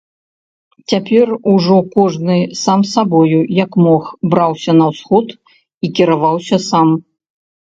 Цяпер ужо кожны сам сабою, як мог, браўся на ўсход і кіраваўся сам.